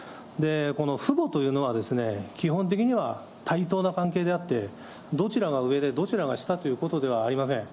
この父母というのは基本的には対等な関係であって、どちらが上で、どちらが下ということではありません。